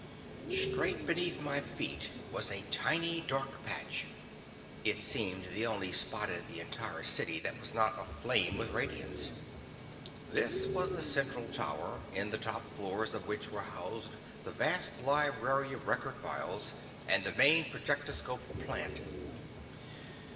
Straight beneath my feet was a tiny dark patch. It seemed the only spot in the entire city that was not aflame with radiance. This was the central tower, in the top floors of which were housed the vast library of record files and the main projectoscope plant.